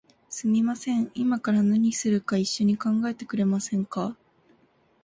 すみません、いまから何するか一緒に考えてくれませんか？